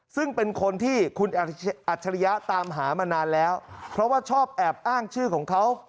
ซึ่งเป็นคนที่คุณอัจฉริยะตามหามานานแล้วเพราะว่าชอบแอบอ้างชื่อของเขา